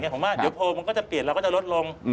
ผมว่าเดี๋ยวโพลมันก็จะเปลี่ยนเราก็จะลดลง